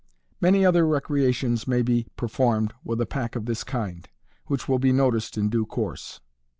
Many other recreations may be performed with a pack of this kind, which will be noticed in due course.